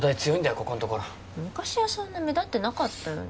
ここんところ昔はそんな目立ってなかったよね